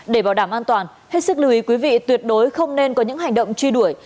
để bảo đảm an toàn hết sức lưu ý quý vị tuyệt đối không nên có những hành động truy đuổi